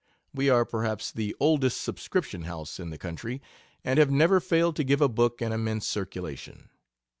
We are perhaps the oldest subscription house in the country, and have never failed to give a book an immense circulation.